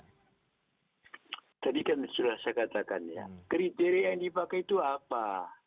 tadi kan sudah saya katakan ya kriteria yang dipakai itu apa